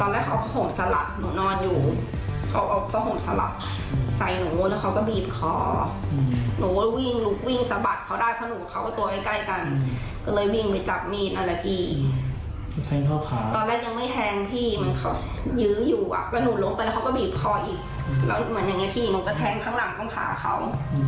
แล้วเหมือนอย่างนี้พี่หนูก็แทงทางหลังตรงขาเขา